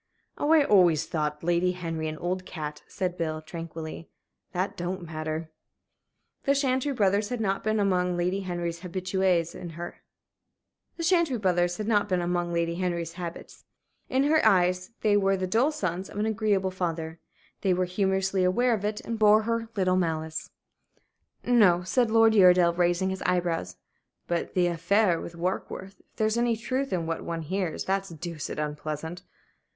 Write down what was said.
"Oh, I always thought Lady Henry an old cat," said Bill, tranquilly. "That don't matter." The Chantrey brothers had not been among Lady Henry's habitués. In her eyes, they were the dull sons of an agreeable father. They were humorously aware of it, and bore her little malice. "No," said Uredale, raising his eyebrows; "but the 'affaire Warkworth'? If there's any truth in what one hears, that's deuced unpleasant."